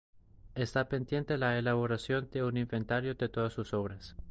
Está pendiente la elaboración de un inventario de todas sus obras.